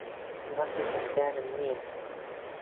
مافی دەنگدانم نییە.